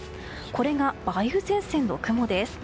これが、梅雨前線の雲です。